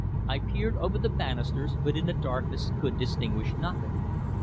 I peered over the banisters, but in the darkness could distinguish nothing.